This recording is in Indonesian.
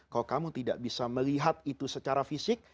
kalau kamu tidak bisa melihat itu secara fisik